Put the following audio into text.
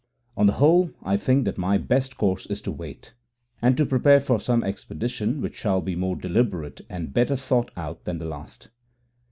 On the whole, I think that my best course is to wait, and to prepare for some expedition which shall be more deliberate and better thought out than the last.